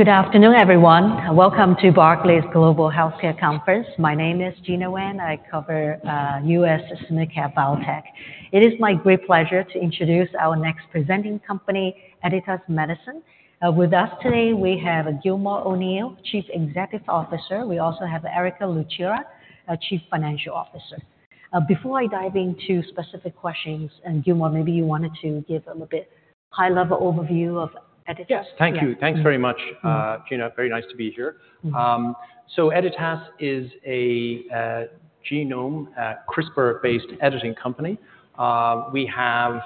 Good afternoon, everyone. Welcome to Barclays Global Healthcare Conference. My name is Gena Wang. I cover U.S. Senior Care Biotech. It is my great pleasure to introduce our next presenting company, Editas Medicine. With us today, we have Gilmore O'Neill, Chief Executive Officer. We also have Erick Lucera, our Chief Financial Officer. Before I dive into specific questions, and Gilmore, maybe you wanted to give them a bit high-level overview of Editas? Yes. Thank you. Yeah. Thanks very much, Gena. Very nice to be here. Mm-hmm. So Editas is a genome CRISPR-based editing company. We have,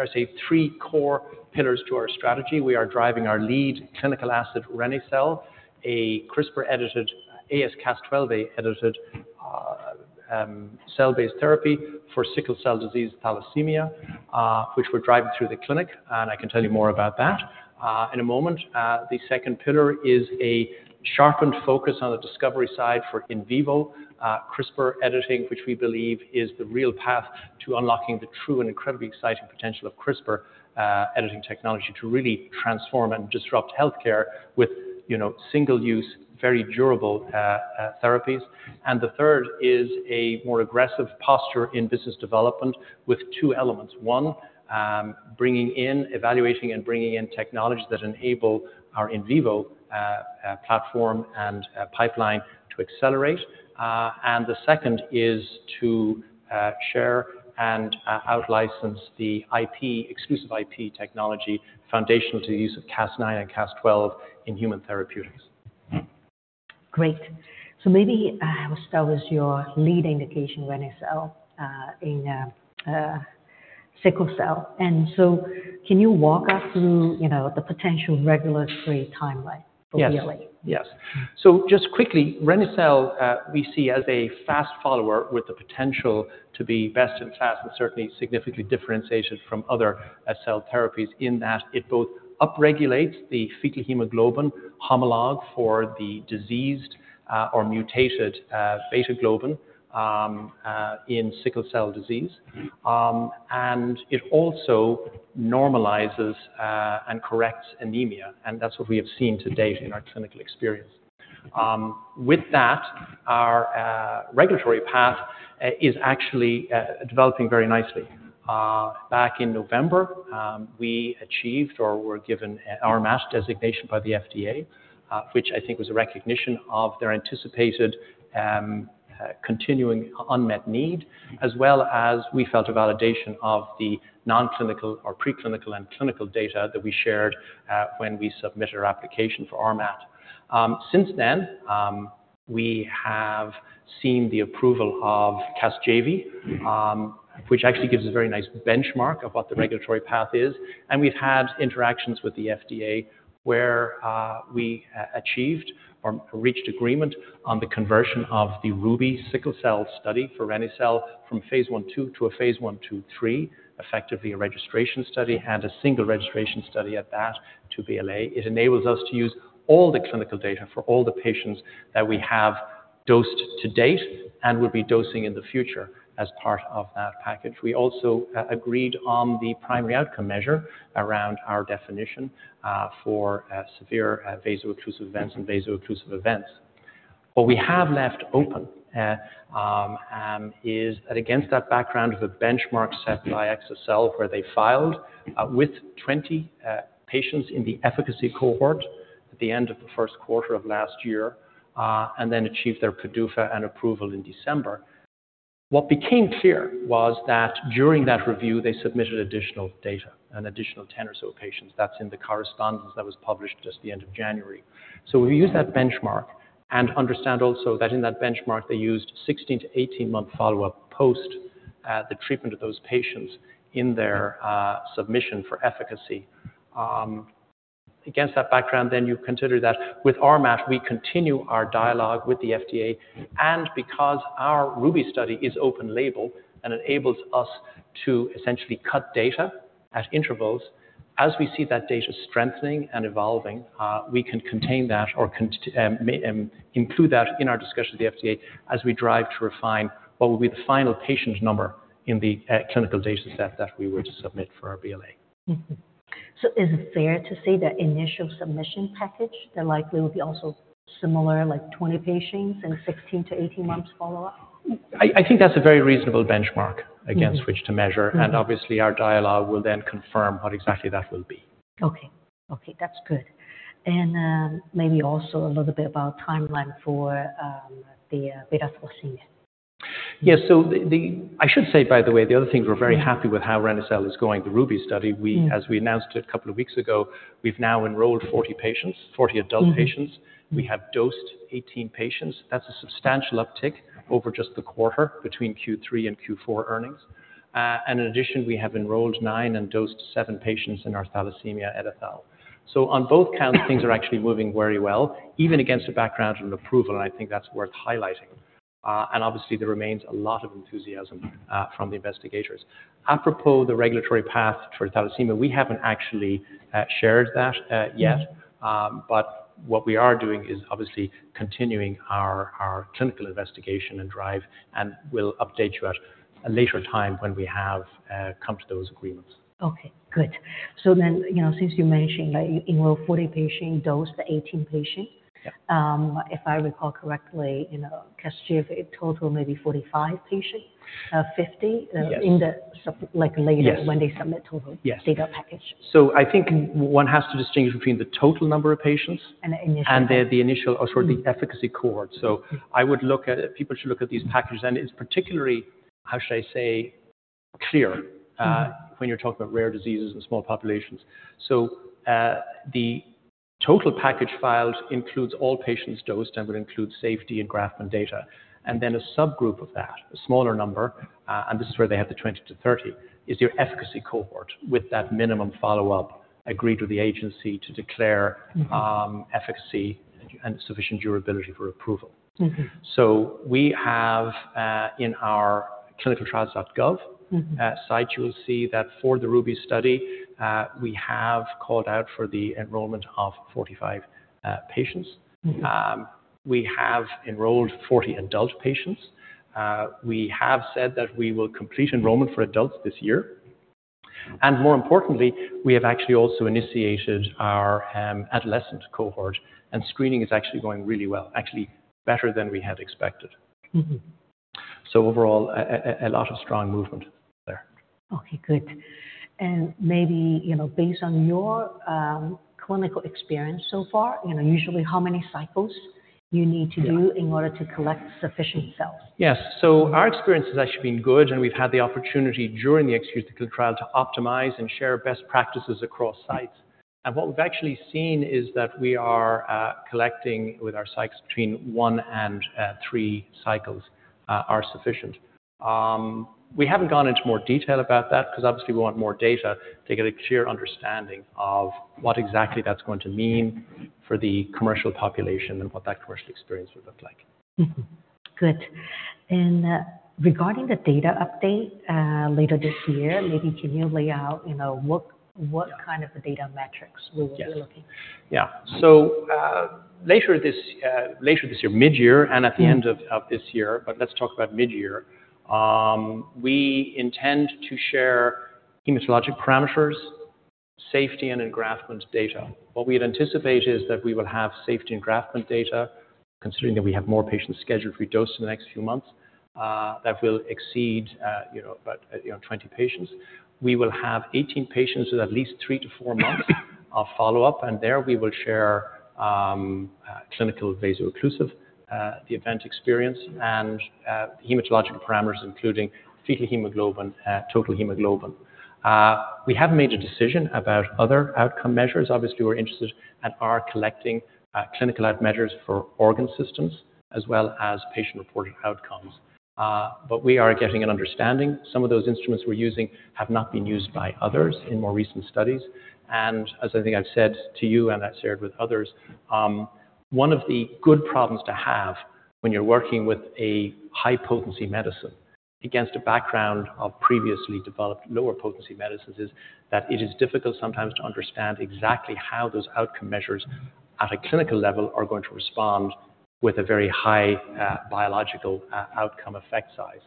I'd say, three core pillars to our strategy. We are driving our lead clinical asset, reni-cel, a CRISPR-edited, AsCas12a-edited, cell-based therapy for sickle cell disease thalassemia, which we're driving through the clinic, and I can tell you more about that, in a moment. The second pillar is a sharpened focus on the discovery side for in vivo CRISPR editing, which we believe is the real path to unlocking the true and incredibly exciting potential of CRISPR editing technology to really transform and disrupt healthcare with, you know, single use, very durable, therapies. And the third is a more aggressive posture in business development with two elements: one, bringing in, evaluating and bringing in technologies that enable our in vivo platform and pipeline to accelerate. And the second is to share and out-license the IP, exclusive IP technology foundational to the use of Cas9 and Cas12 in human therapeutics. Great. So maybe I will start with your lead indication, reni-cel, in sickle cell. So can you walk us through, you know, the potential regulatory timeline? Yes. For BLA? Yes. So just quickly, reni-cel, we see as a fast follower with the potential to be best in class and certainly significantly differentiation from other sickle cell therapies in that it both upregulates the fetal hemoglobin homolog for the diseased, or mutated, beta globin, in sickle cell disease. And it also normalizes, and corrects anemia, and that's what we have seen to date in our clinical experience. With that, our regulatory path is actually developing very nicely. Back in November, we achieved or were given RMAT designation by the FDA, which I think was a recognition of their anticipated continuing unmet need, as well as we felt a validation of the non-clinical or preclinical and clinical data that we shared, when we submitted our application for RMAT. Since then, we have seen the approval of Casgevy, which actually gives a very nice benchmark of what the regulatory path is, and we've had interactions with the FDA, where we achieved or reached agreement on the conversion of the RUBY sickle cell study for reni-cel from phase 1/2 to a phase 1/2/3, effectively a registration study and a single registration study at that to BLA. It enables us to use all the clinical data for all the patients that we have dosed to date and will be dosing in the future as part of that package. We also agreed on the primary outcome measure around our definition for severe vaso-occlusive events and vaso-occlusive events. What we have left open is that against that background of a benchmark set by exa-cel, where they filed with 20 patients in the efficacy cohort at the end of the first quarter of last year, and then achieved their PDUFA and approval in December. What became clear was that during that review, they submitted additional data, an additional 10 or so patients. That's in the correspondence that was published just the end of January. So we use that benchmark and understand also that in that benchmark, they used 16- to 18-month follow-up post the treatment of those patients in their submission for efficacy. Against that background, then you consider that with RMAT, we continue our dialogue with the FDA, and because our RUBY study is open label and enables us to essentially cut data at intervals, as we see that data strengthening and evolving, we can contain that or include that in our discussion with the FDA as we drive to refine what will be the final patient number in the clinical data set that we were to submit for our BLA. Mm-hmm. So is it fair to say that initial submission package, there likely will be also similar, like 20 patients and 16-18 months follow-up? I think that's a very reasonable benchmark- Mm-hmm. against which to measure. Mm-hmm. Obviously, our dialogue will then confirm what exactly that will be. Okay. Okay, that's good. And maybe also a little bit about timeline for the beta thalassemia. Yes. So... I should say, by the way, the other thing we're- Yeah... very happy with how reni-cel is going, the RUBY study. Mm. We, as we announced it a couple of weeks ago, we've now enrolled 40 patients, 40 adult patients. Mm-hmm. We have dosed 18 patients. That's a substantial uptick over just the quarter between Q3 and Q4 earnings. In addition, we have enrolled nine and dosed seven patients in our thalassemia EdiTHAL. So on both counts, things are actually moving very well, even against the background of an approval, and I think that's worth highlighting. Obviously, there remains a lot of enthusiasm from the investigators. Apropos the regulatory path for thalassemia, we haven't actually shared that yet. Mm-hmm. But what we are doing is obviously continuing our clinical investigation and drive, and we'll update you at a later time when we have come to those agreements. Okay, good. So then, you know, since you mentioned that you enroll 40 patients, dose to 18 patients. Yeah. If I recall correctly, you know, because give a total maybe 45 patients, 50? Yes. In the sub, like later- Yes. when they submit total- Yes. - data package. I think one has to distinguish between the total number of patients- And the initial - and the initial, or sorry, the efficacy cohort. So I would look at... People should look at these packages, and it's particularly, how should I say, clear, when you're talking about rare diseases and small populations. So, the total package filed includes all patients dosed, and it includes safety and engraftment data. And then a subgroup of that, a smaller number, and this is where they have the 20-30, is your efficacy cohort with that minimum follow-up agreed with the agency to declare- Mm-hmm. Efficacy and sufficient durability for approval. Mm-hmm. So we have, in our ClinicalTrials.gov- Mm-hmm. Slide, you will see that for the Ruby study, we have called out for the enrollment of 45 patients. Mm-hmm. We have enrolled 40 adult patients. We have said that we will complete enrollment for adults this year. And more importantly, we have actually also initiated our adolescent cohort, and screening is actually going really well, actually better than we had expected. Mm-hmm. So overall, a lot of strong movement there. Okay, good. Maybe, you know, based on your clinical experience so far, you know, usually how many cycles you need to do? Yeah... in order to collect sufficient cells? Yes. So our experience has actually been good, and we've had the opportunity during the ex vivo clinical trial to optimize and share best practices across sites. And what we've actually seen is that we are collecting with our sites between 1 and 3 cycles are sufficient. We haven't gone into more detail about that because obviously we want more data to get a clear understanding of what exactly that's going to mean for the commercial population and what that commercial experience would look like. Mm-hmm. Good. And, regarding the data update, later this year, maybe can you lay out, you know, what, what kind of the data metrics we will be looking? Yes. Yeah. So, later this year, midyear and at the end of this year, but let's talk about midyear. We intend to share hematologic parameters, safety, and engraftment data. What we had anticipated is that we will have safety engraftment data, considering that we have more patients scheduled for dose in the next few months that will exceed, you know, about 20 patients. We will have 18 patients with at least three to four months of follow-up, and there we will share clinical vaso-occlusive event experience and hematological parameters, including fetal hemoglobin, total hemoglobin. We haven't made a decision about other outcome measures. Obviously, we're interested and are collecting clinical outcome measures for organ systems as well as patient-reported outcomes. But we are getting an understanding. Some of those instruments we're using have not been used by others in more recent studies. As I think I've said to you and I've shared with others, one of the good problems to have when you're working with a high-potency medicine against a background of previously developed lower potency medicines, is that it is difficult sometimes to understand exactly how those outcome measures at a clinical level are going to respond with a very high biological outcome effect size.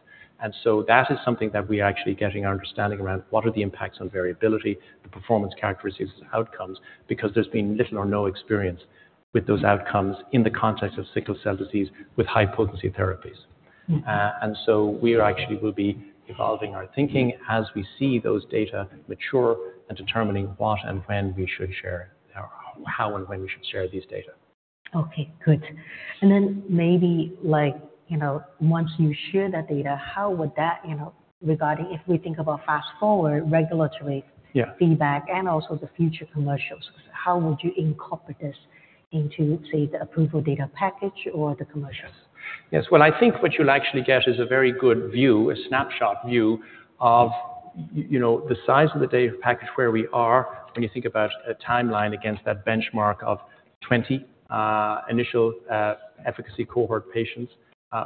So that is something that we are actually getting our understanding around, what are the impacts on variability, the performance characteristics outcomes, because there's been little or no experience with those outcomes in the context of sickle cell disease with high-potency therapies. Mm. and so we are actually will be evolving our thinking as we see those data mature and determining what and when we should share... How and when we should share these data. Okay, good. And then maybe, like, you know, once you share that data, how would that, you know, regarding if we think about fast-forward regulatory- Yeah Feedback and also the future commercials, how would you incorporate this into, say, the approval data package or the commercials? Yes. Well, I think what you'll actually get is a very good view, a snapshot view of you know, the size of the data package where we are when you think about a timeline against that benchmark of 20 initial efficacy cohort patients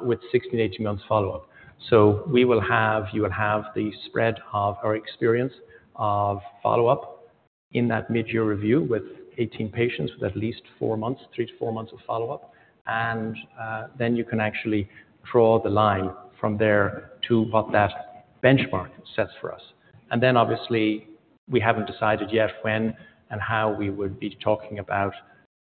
with 16-18 months follow-up. So we will have, you will have the spread of our experience of follow-up in that midyear review with 18 patients, with at least 4 months, 3-4 months of follow-up. And then you can actually draw the line from there to what that benchmark sets for us. And then obviously, we haven't decided yet when and how we would be talking about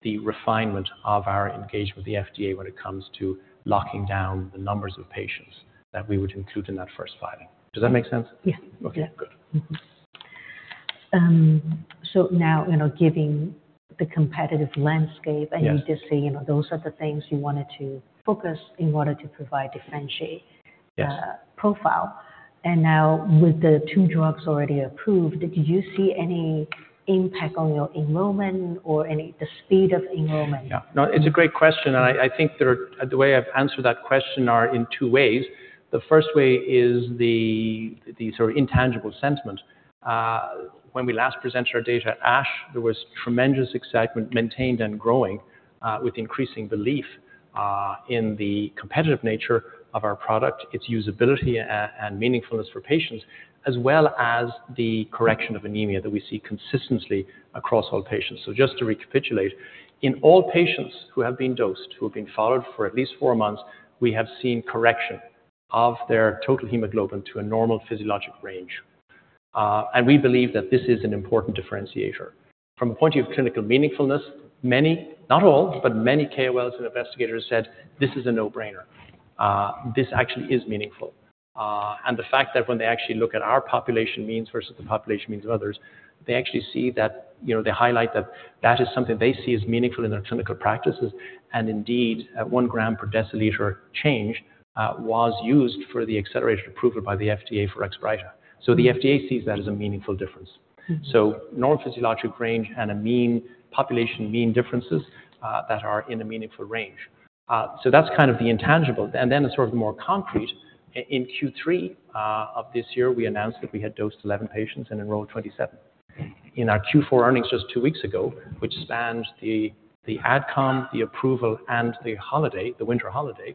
the refinement of our engagement with the FDA when it comes to locking down the numbers of patients that we would include in that first filing. Does that make sense? Yeah. Okay, good. Mm-hmm. So now, you know, giving the competitive landscape- Yes... and you just say, you know, those are the things you wanted to focus in order to provide differentiate- Yes... profile. And now with the two drugs already approved, did you see any impact on your enrollment or any, the speed of enrollment? Yeah. No, it's a great question, and I think there are... The way I've answered that question are in two ways. The first way is the sort of intangible sentiment. When we last presented our data at ASH, there was tremendous excitement maintained and growing, with increasing belief, in the competitive nature of our product, its usability, and meaningfulness for patients, as well as the correction of anemia that we see consistently across all patients. So just to recapitulate, in all patients who have been dosed, who have been followed for at least four months, we have seen correction... of their total hemoglobin to a normal physiologic range. And we believe that this is an important differentiator. From a point of clinical meaningfulness, many, not all, but many KOLs and investigators said, "This is a no-brainer." This actually is meaningful. And the fact that when they actually look at our population means versus the population means of others, they actually see that, you know, they highlight that, that is something they see as meaningful in their clinical practices. And indeed, at one gram per deciliter change, was used for the accelerated approval by the FDA for Oxbryta. So the FDA sees that as a meaningful difference. So normal physiologic range and a mean, population mean differences, that are in a meaningful range. So that's kind of the intangible. And then the sort of more concrete, in Q3 of this year, we announced that we had dosed 11 patients and enrolled 27. In our Q4 earnings just two weeks ago, which spanned the Ad Com, the approval, and the holiday, the winter holiday,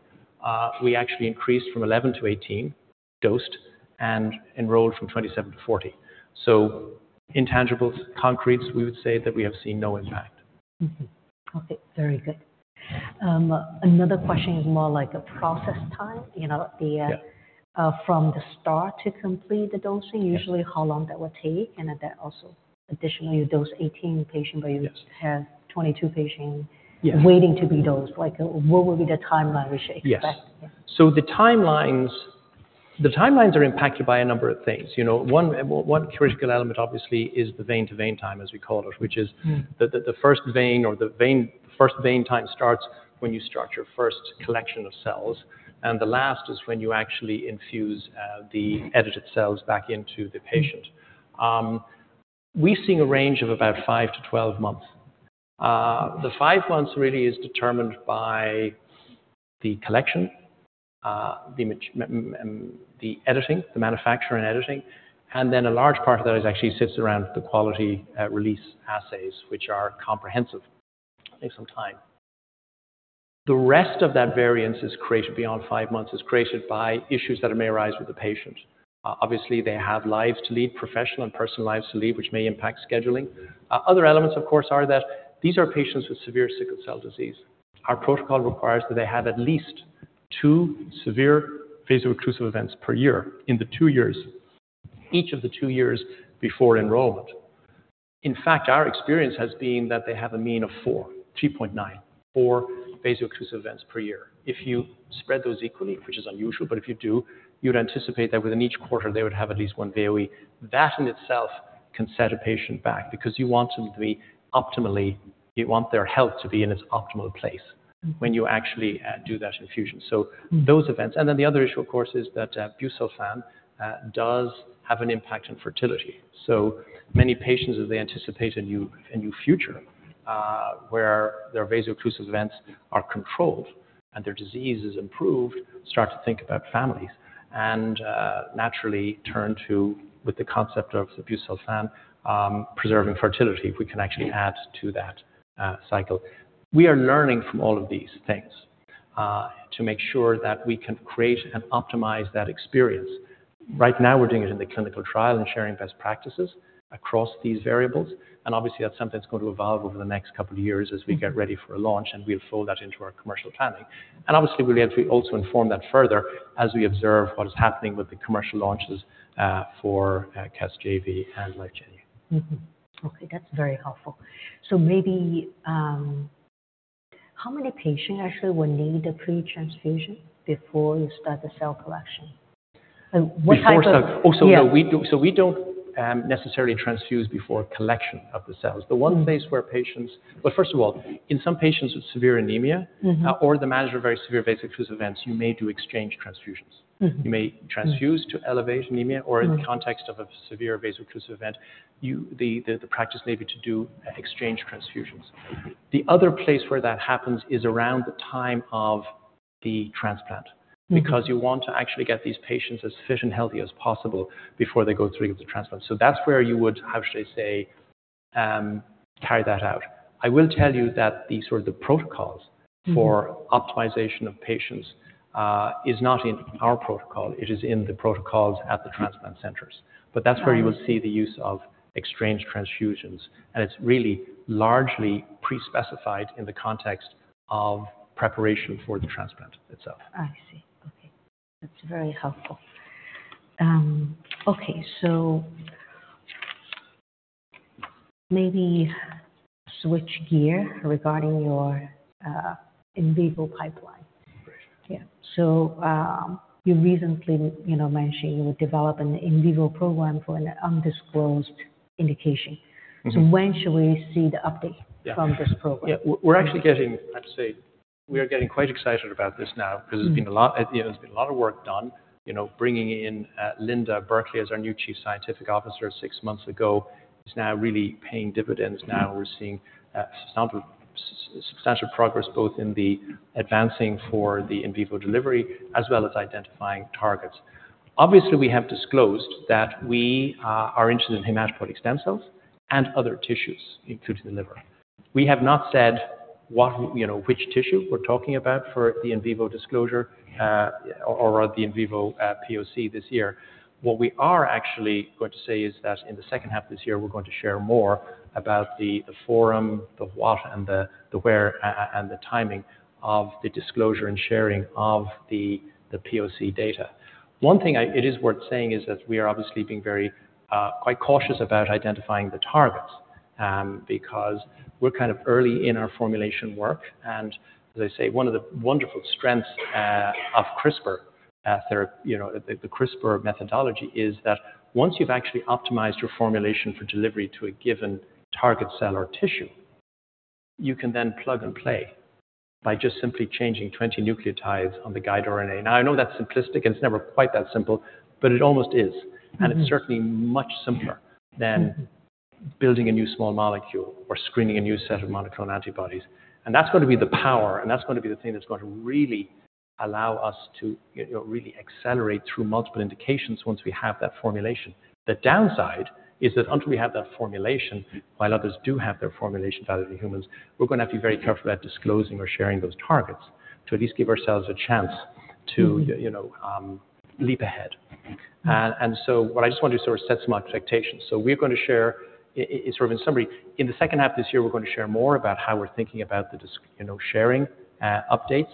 we actually increased from 11 to 18 dosed and enrolled from 27 to 40. So intangibles, concretes, we would say that we have seen no impact. Mm-hmm. Okay, very good. Another question is more like a process time, you know, the— Yeah. From the start to complete the dosing- Yeah. - usually, how long that would take, and then that also, additionally, you dose 18 patient- Yes. - but you have 22 patients- Yes. waiting to be dosed. Like, what would be the timeline we should expect? Yes. So the timelines, the timelines are impacted by a number of things. You know, one, well, one critical element, obviously, is the vein-to-vein time, as we call it, which is- Mm. Vein-to-vein time starts when you start your first collection of cells, and the last is when you actually infuse the edited cells back into the patient. We've seen a range of about 5-12 months. The 5 months really is determined by the collection, the editing, the manufacture and editing, and then a large part of that is actually sits around the quality release assays, which are comprehensive. Take some time. The rest of that variance is created beyond 5 months, is created by issues that may arise with the patient. Obviously, they have lives to lead, professional and personal lives to lead, which may impact scheduling. Other elements, of course, are that these are patients with severe sickle cell disease. Our protocol requires that they have at least two severe vaso-occlusive events per year in the two years, each of the two years before enrollment. In fact, our experience has been that they have a mean of 4.294 vaso-occlusive events per year. If you spread those equally, which is unusual, but if you do, you'd anticipate that within each quarter, they would have at least one VOE. That in itself can set a patient back because you want them to be optimally... You want their health to be in its optimal place- Mm. - when you actually do that infusion. Mm. So those events. And then the other issue, of course, is that busulfan does have an impact on fertility. So many patients, as they anticipate a new future where their vaso-occlusive events are controlled and their disease is improved, start to think about families and naturally turn to, with the concept of busulfan, preserving fertility, if we can actually add to that cycle. We are learning from all of these things to make sure that we can create and optimize that experience. Right now, we're doing it in the clinical trial and sharing best practices across these variables, and obviously, that's something that's going to evolve over the next couple of years as we get ready for a launch, and we'll fold that into our commercial planning. Obviously, we'll be able to also inform that further as we observe what is happening with the commercial launches for Casgevy and Lyfgenia. Mm-hmm. Okay, that's very helpful. So maybe, how many patient actually will need a pre-transfusion before you start the cell collection? So what type of- Before... Oh, so- Yeah. We do... So we don't necessarily transfuse before collection of the cells. Mm-hmm. The one place where patients... But first of all, in some patients with severe anemia. Mm-hmm. or the management of very severe vaso-occlusive events, you may do exchange transfusions. Mm-hmm. You may transfuse- Mm to elevate anemia Mm. or in the context of a severe vaso-occlusive event, you, the practice may be to do exchange transfusions. The other place where that happens is around the time of the transplant. Mm-hmm. Because you want to actually get these patients as fit and healthy as possible before they go through the transplant. So that's where you would actually say, carry that out. I will tell you that the sort of the protocols- Mm. - for optimization of patients is not in our protocol. It is in the protocols at the transplant centers. Right. But that's where you will see the use of exchange transfusions, and it's really largely pre-specified in the context of preparation for the transplant itself. I see. Okay, that's very helpful. Okay, so maybe switch gear regarding your, in vivo pipeline. Great. Yeah. So, you recently, you know, mentioned you were developing an in vivo program for an undisclosed indication. Mm-hmm. When should we see the update- Yeah. - from this program? Yeah, we're actually getting, I have to say, we are getting quite excited about this now- Mm. Because there's been a lot, you know, there's been a lot of work done. You know, bringing in Linda Burkly as our new Chief Scientific Officer six months ago is now really paying dividends now. We're seeing substantial progress both in the advancing for the in vivo delivery, as well as identifying targets. Obviously, we have disclosed that we are interested in hematopoietic stem cells and other tissues, including the liver. We have not said what, you know, which tissue we're talking about for the in vivo disclosure, or the in vivo POC this year. What we are actually going to say is that in the second half of this year, we're going to share more about the forum, the what and the where, and the timing of the disclosure and sharing of the POC data. One thing it is worth saying is that we are obviously being very, quite cautious about identifying the targets, because we're kind of early in our formulation work. And as I say, one of the wonderful strengths of CRISPR, you know, the CRISPR methodology, is that once you've actually optimized your formulation for delivery to a given target cell or tissue, you can then plug and play by just simply changing 20 nucleotides on the guide RNA. Now, I know that's simplistic, and it's never quite that simple, but it almost is. And it's certainly much simpler than building a new small molecule or screening a new set of monoclonal antibodies. And that's going to be the power, and that's going to be the thing that's going to really allow us to, you know, really accelerate through multiple indications once we have that formulation. The downside is that until we have that formulation, while others do have their formulation value in humans, we're gonna have to be very careful about disclosing or sharing those targets, to at least give ourselves a chance to- Mm-hmm... you know, leap ahead. And so what I just want to sort of set some expectations. So we're going to share, sort of in summary, in the second half of this year, we're going to share more about how we're thinking about the disease, you know, sharing updates.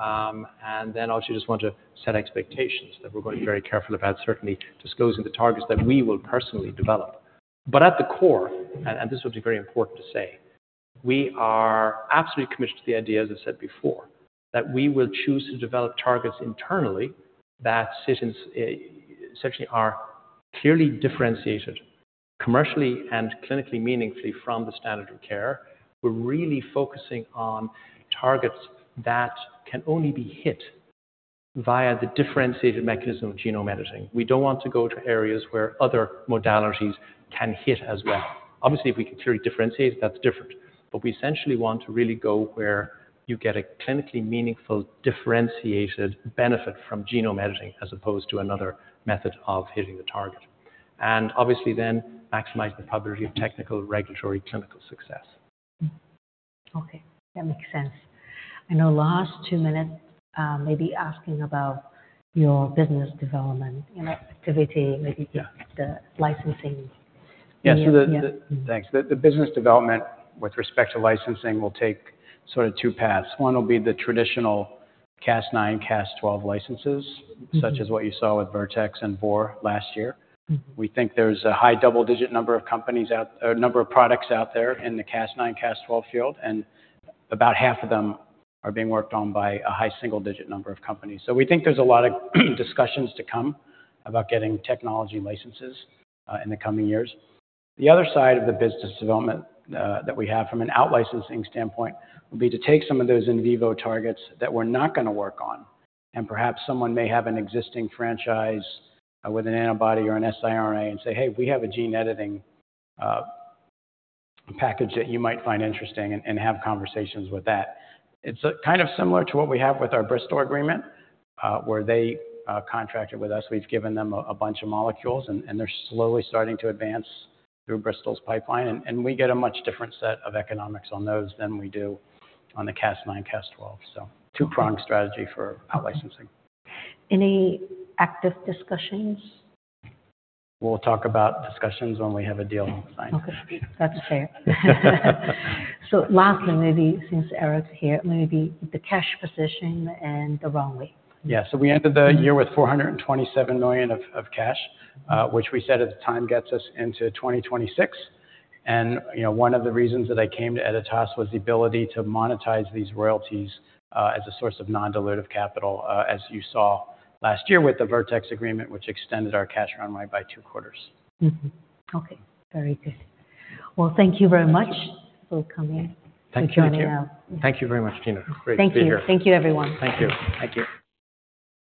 And then also just want to set expectations that we're going to be very careful about certainly disclosing the targets that we will personally develop. But at the core, and this will be very important to say, we are absolutely committed to the idea, as I said before, that we will choose to develop targets internally, that scientists essentially are clearly differentiated commercially and clinically meaningfully from the standard of care. We're really focusing on targets that can only be hit via the differentiated mechanism of genome editing. We don't want to go to areas where other modalities can hit as well. Obviously, if we can clearly differentiate, that's different. But we essentially want to really go where you get a clinically meaningful, differentiated benefit from genome editing, as opposed to another method of hitting the target. And obviously then, maximize the probability of technical, regulatory, clinical success. Okay, that makes sense. I know last two minutes, maybe asking about your business development, you know, activity, maybe- Yeah. The licensing. Yeah, so the- Yeah. Thanks. The business development with respect to licensing will take sort of two paths. One will be the traditional Cas9, Cas12 licenses. Mm-hmm. such as what you saw with Vertex and bluebird last year. Mm. We think there's a high double-digit number of companies out... or number of products out there in the Cas9, Cas12 field, and about half of them are being worked on by a high single-digit number of companies. So we think there's a lot of discussions to come about getting technology licenses in the coming years. The other side of the business development that we have from an out-licensing standpoint would be to take some of those in vivo targets that we're not gonna work on, and perhaps someone may have an existing franchise with an antibody or an siRNA, and say, "Hey, we have a gene editing package that you might find interesting," and, and have conversations with that. It's kind of similar to what we have with our Bristol agreement where they contracted with us. We've given them a bunch of molecules and they're slowly starting to advance through Bristol's pipeline, and we get a much different set of economics on those than we do on the Cas9, Cas12. So- Okay. two-pronged strategy for out-licensing. Any active discussions? We'll talk about discussions when we have a deal signed. Okay. That's fair. So lastly, maybe since Eric's here, maybe the cash position and the runway. Yeah. So we ended the year with $427,000,000 of cash, which we said at the time gets us into 2026. And, you know, one of the reasons that I came to Editas Medicine was the ability to monetize these royalties as a source of non-dilutive capital, as you saw last year with the Vertex agreement, which extended our cash runway by two quarters. Mm-hmm. Okay. Very good. Well, thank you very much for coming- Thank you. And joining us. Thank you very much, Gena. Great to be here. Thank you. Thank you, everyone. Thank you. Thank you.